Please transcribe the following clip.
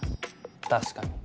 確かに。